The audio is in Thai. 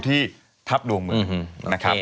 ที่ทัพดวงเมืองนะครับ